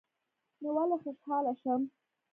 نو ولي خوشحاله شم